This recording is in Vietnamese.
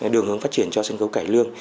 đường hướng phát triển cho sân khấu cải lương